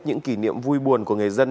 những kỷ niệm vui buồn của người dân